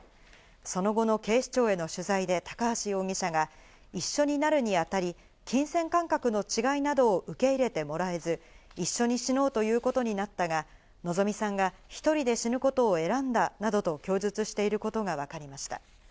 その後の警視庁への取材で高橋容疑者が、一緒になるにあたり、金銭感覚の違いなどを受け入れてもらえず、一緒に死のうということになったが、のぞみさんが１人で死ぬことを選んだなどと供述していることがわかりました。